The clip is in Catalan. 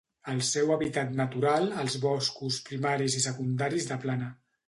El seu hàbitat natural els boscos primaris i secundaris de plana.